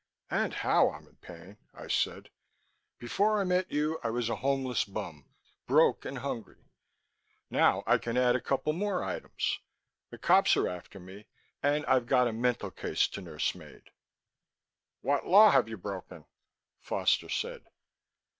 "And how I'm in pain," I said. "Before I met you I was a homeless bum, broke and hungry. Now I can add a couple more items: the cops are after me, and I've got a mental case to nursemaid." "What law have you broken?" Foster said.